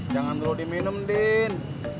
jangan dulu diminum din